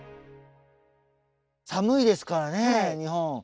寒いですからね日本。